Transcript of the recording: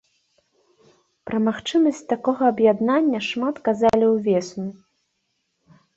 Пра магчымасць такога аб'яднання шмат казалі ўвесну.